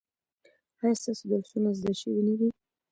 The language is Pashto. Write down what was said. ایا ستاسو درسونه زده شوي نه دي؟